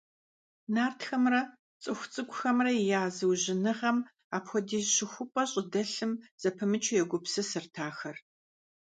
Нартхэмрэ цӀыху цӀыкӀумрэ я зыужьыныгъэм апхуэдиз щыхупӀэ щӀыдэлъым зэпымычу егупсысырт ахэр.